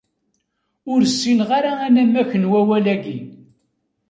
Ur ssineɣ ara anamek n wawal-agi.